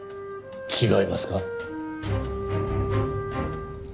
違いますか？